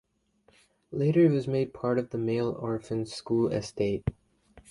Later it was made part of the Male Orphan School Estate.